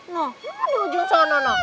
nah mana ujung sana